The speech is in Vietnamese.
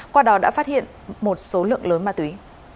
qua đó đã phát hiện một số lượng lớn ma túy